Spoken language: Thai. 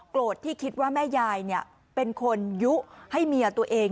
ที่คิดว่าแม่ยายเป็นคนยุให้เมียตัวเอง